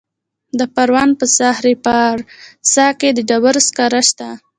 د پروان په سرخ پارسا کې د ډبرو سکاره شته.